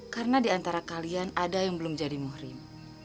karena di antara kalian ada yang belum jadi muhrim